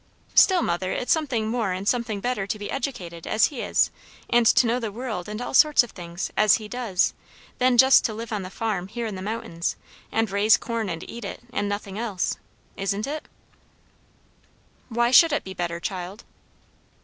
"Still, mother, it's something more and something better to be educated, as he is, and to know the world and all sorts of things, as he does, than just to live on the farm here in the mountains, and raise corn and eat it, and nothing else. Isn't it?" "Why should it be better, child?"